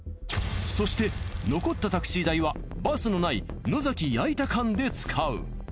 そして残ったタクシー代はバスのない野崎矢板間で使う。